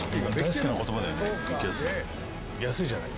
「安い」じゃない。